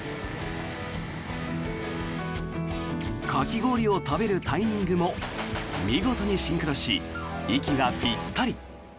かき氷を食べるタイミングも見事にシンクロし息がぴったり。